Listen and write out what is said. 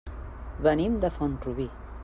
Venim de Font-rubí.